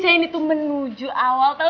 sisi sisi siap banget